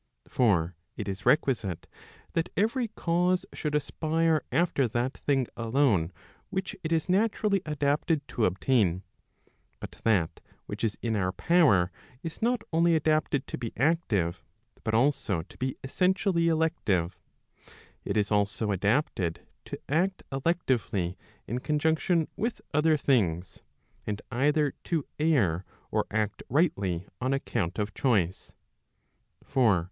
For it is requisite that every cause should aspire after that thing alone which it is naturally adapted to obtain. But that which is in our power, is not only adapted to be active, but also to be essentially elective. It is also adapted to act electively in conjunction with other things, and either to err or act rightly on account of choice.